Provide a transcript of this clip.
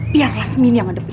biar lasmin yang ngedepin